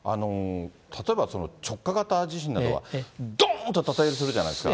例えば直下型地震などはどーんと縦揺れするじゃないですか。